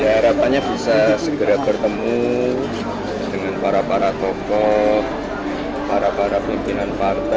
ya harapannya bisa segera bertemu dengan para para tokoh para para pimpinan partai